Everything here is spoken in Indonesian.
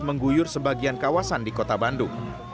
mengguyur sebagian kawasan di kota bandung